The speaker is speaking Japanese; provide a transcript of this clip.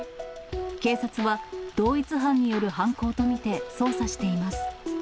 警察は、同一犯による犯行と見て、捜査しています。